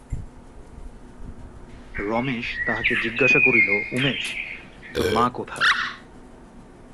রমেশ তাহাকে জিজ্ঞাসা করিল, উমেশ, তোর মা কোথায়?